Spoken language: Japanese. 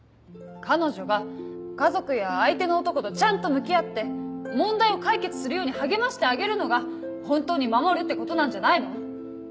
彼女が家族や相手の男とちゃんと向き合って問題を解決するように励ましてあげるのが本当に守るってことなんじゃないの？